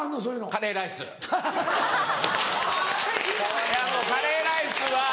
カレーライスはもう。